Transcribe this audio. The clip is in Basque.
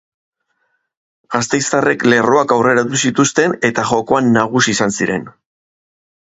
Gasteiztarrek lerroak aurreratu zituzten, eta jokoan nagusi izan ziren.